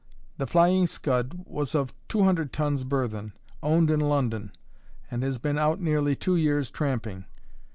The Flying Scud was of 200 tons burthen, owned in London, and has been out nearly two years tramping.